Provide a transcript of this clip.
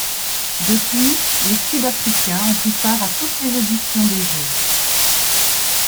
Depuis, les Sud-Africains ont pris part à toutes les éditions des Jeux.